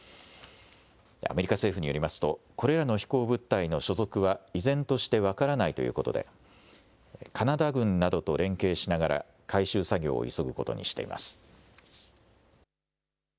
アメリカ政府によりますと、これらの飛行物体の所属は依然として分からないということで、カナダ軍などと連携しながら、回収作業を急ぐことにしています。